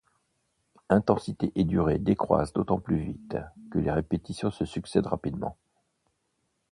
Intensité et durée décroissent d'autant plus vite que les répétitions se succèdent rapidement.